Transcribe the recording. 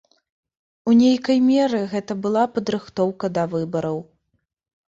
У нейкай меры гэта была падрыхтоўка да выбараў.